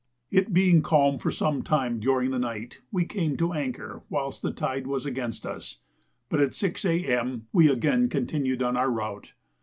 It being calm for some time during the night, we came to anchor whilst the tide was against us; but at 6 A.M. we again continued our route.